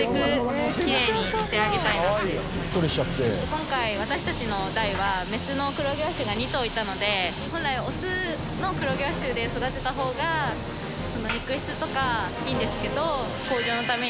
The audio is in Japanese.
今回私たちの代はメスの黒毛和種が２頭いたので本来オスの黒毛和種で育てた方が肉質とかいいんですけど。